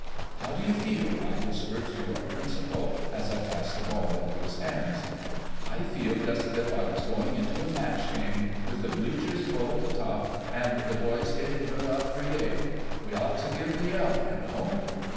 "How do you feel?" I whispered to our principal, as I passed the ball into his hands. "I feel just as if I was going into a match game, with the bleachers full to the top and the boys hitting her up for Yale. We ought to give the yell, y' know."